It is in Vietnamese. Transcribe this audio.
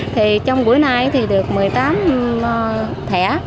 thì trong bữa nay thì được một mươi tám thẻ